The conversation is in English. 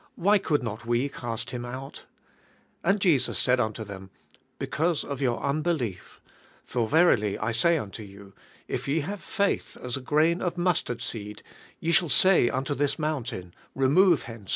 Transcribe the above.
Why could ni>t we cast auo out? And Jesus said unto thein, Because of four unbelief: for verily I say uuto you, If ye have faith as a grain of mustard seed, ye shall say ' unto this mountain, Remove hence